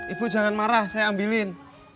ibu jangan marah saya ambilin